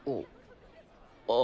あ。